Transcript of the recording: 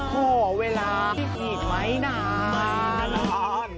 พอเวลาที่ผิดไหมนาน